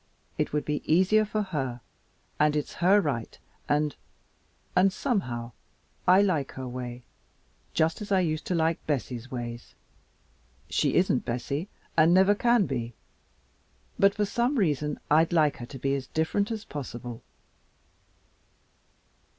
It would be easier for her and it's her right and and somehow I like her way just as I used to like Bessie's ways. She isn't Bessie and never can be, and for some reason I'd like her to be as different as possible."